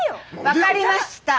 分かりました。